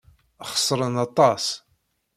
Xeṣren aṭas!